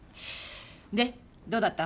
でっどうだった？